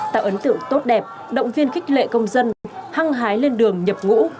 tạo ấn tượng tốt đẹp động viên khích lệ công dân hăng hái lên đường nhập ngũ